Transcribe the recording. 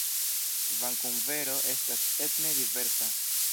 Vankuvero estas etne diversa.